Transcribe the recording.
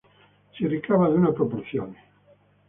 Si ricava da una proporzione.